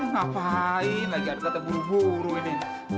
ngapain lagi ada kata buru buru ini